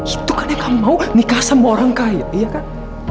itu kan ya kamu mau nikah sama orang kaya iya kan